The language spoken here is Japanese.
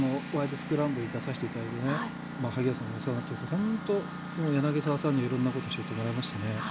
スクランブル」に出させていただいて萩谷さんにお世話になっているけど柳澤さんには本当、色んなことを教えてもらいました。